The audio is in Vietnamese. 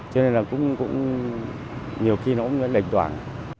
cho nên là cũng nhiều khi nó cũng đệnh đoạn